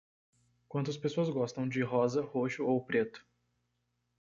Quantas pessoas gostam de rosa, roxo ou preto?